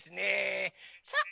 さあ